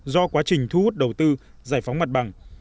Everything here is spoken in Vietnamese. do quá trình thu hút đầu tư giải phóng mặt bằng